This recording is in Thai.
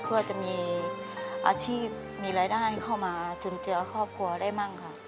เพื่อจะมีอาชีพมีรายได้เข้ามาจุนเจือครอบครัวได้มั่งค่ะ